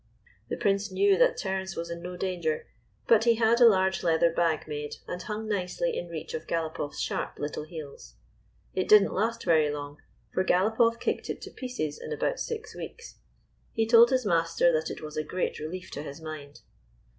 The Prince knew that Terence was in no danger, but he had a large leather bag made and hung nicely in reach of Galopoff's sharp little heels. It did n't last very long, for Galopoff kicked it to pieces in about six weeks. He told his master that it was a great relief to his mind.